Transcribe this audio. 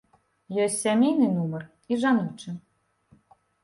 Ёсць сямейны нумар і жаночы.